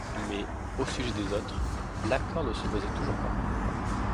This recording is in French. Mais, au sujet des autres, l’accord ne se faisait toujours pas.